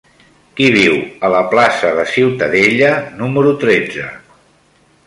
Qui viu a la plaça de Ciutadella número tretze?